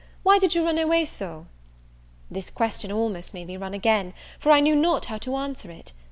why did you run away so?" This question almost made me run again, for I knew not how to answer it.